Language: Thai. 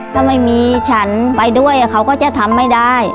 ถ้าไม่มีฉันไปด้วยเขาก็จะทำไม่ได้